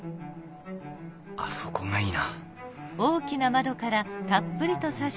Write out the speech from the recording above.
あそこがいいな